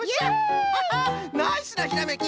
ナイスなひらめき！